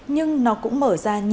nhưng nó cũng mở ra nhiều cơ hội